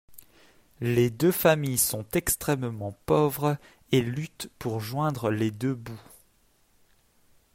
Les deux familles sont extrêmement pauvres et luttent pour joindre les deux bouts.